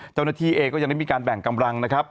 เจ้าหน้าที่เองก็ยังได้มีการแบ่งกำลังนะครับ